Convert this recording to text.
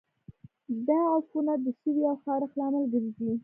دا عفونت د سوي او خارښت لامل ګرځي.